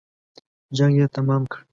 جنګ یې تمام کړ.